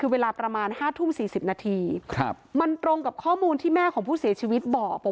เวลาที่รถของผู้เสียชีวิต